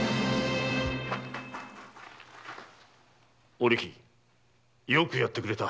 お力よくやってくれた。